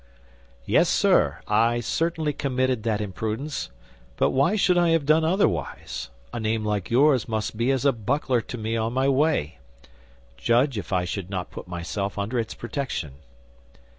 "Yes, sir, I certainly committed that imprudence; but why should I have done otherwise? A name like yours must be as a buckler to me on my way. Judge if I should not put myself under its protection."